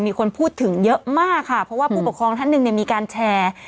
มีคนพูดถึงเยอะมากค่ะเพราะว่าผู้ปกครองท่านหนึ่งเนี่ยมีการแชร์